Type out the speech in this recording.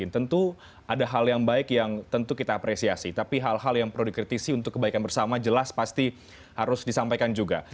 tentu ada hal yang baik yang tentu kita apresiasi tapi hal hal yang perlu dikritisi untuk kebaikan bersama jelas pasti harus disampaikan juga